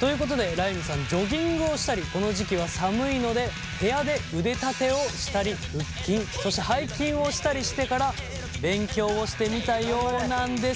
ということでらいむさんジョギングをしたりこの時期は寒いので部屋で腕立てをしたり腹筋そして背筋をしたりしてから勉強してみたようなんですが。